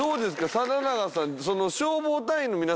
定永さん。